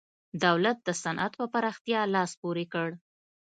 دولت د صنعت پر پراختیا لاس پورې کړ.